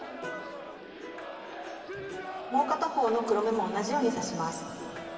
もう片方の黒目も同じように刺します。